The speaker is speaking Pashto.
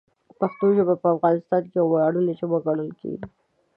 پښتو ژبه په افغانستان کې یوه ویاړلې ژبه ګڼل کېږي.